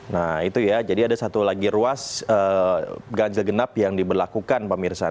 nah itu ya jadi ada satu lagi ruas ganjil genap yang diberlakukan pak mirsa